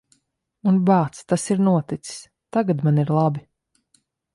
Un, bāc, tas ir noticis. Tagad man ir labi.